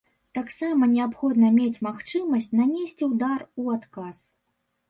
Таксама неабходна мець магчымасць нанесці ўдар у адказ.